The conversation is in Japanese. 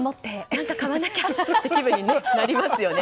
何か買わなきゃっていう気分になりますよね。